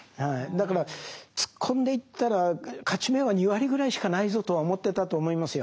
だから突っ込んでいったら勝ち目は２割ぐらいしかないぞとは思ってたと思いますよ。